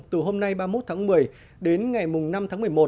từ hôm nay ba mươi một tháng một mươi đến ngày năm tháng một mươi một